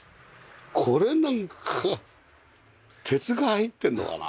これなんか鉄が入ってるのかな？